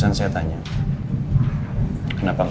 karena saya tau kau pasti punya masalah